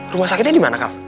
rumah sakitnya dimana kal